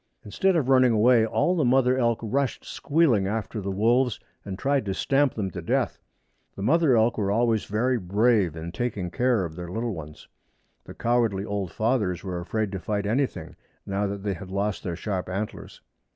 Instead of running away all the mother elk rushed squealing after the wolves and tried to stamp them to death. The mother elk were always very brave in taking care of their little ones. The cowardly old fathers were afraid to fight anything, now that they had lost their sharp antlers.